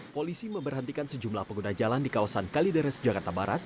polisi memberhentikan sejumlah pengguna jalan di kawasan kalideres jakarta barat